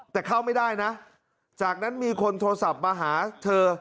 แต่เข้าไม่ได้นะจากนั้นมีคนโทรศัพท์มาหาเธอ